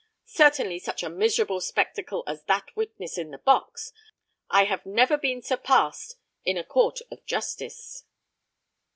Certainly such a miserable spectacle as that witness in the box, I have never seen surpassed in a court of justice.